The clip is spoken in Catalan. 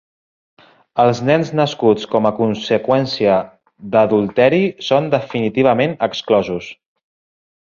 Els nens nascuts com a conseqüència d'adulteri són definitivament exclosos.